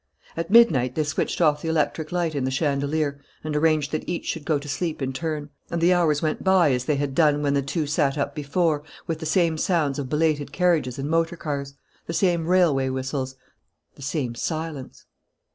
At midnight they switched off the electric light in the chandelier and arranged that each should go to sleep in turn. And the hours went by as they had done when the two sat up before, with the same sounds of belated carriages and motor cars; the same railway whistles; the same silence.